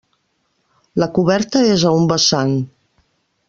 La coberta és a un vessant.